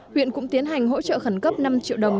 huyện cũng tiến hành hỗ trợ khẩn cấp năm triệu đồng